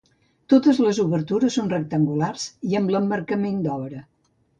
Totes les obertures són rectangulars i amb l'emmarcament d'obra.